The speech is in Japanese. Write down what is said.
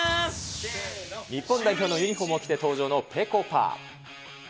日本代表のユニホームを着て登場のぺこぱ。